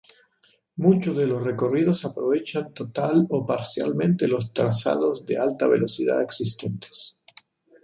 Muchos de los recorridos aprovechan total o parcialmente los trazados de alta velocidad existentes.